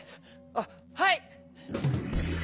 あっはい！